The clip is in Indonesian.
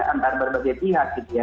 antar berbagai pihak gitu ya